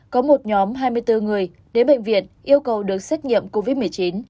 có một nhóm hai mươi bốn người đến bệnh viện yêu cầu được xét nghiệm covid một mươi chín